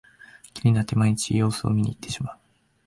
気になって毎日様子を見にいってしまう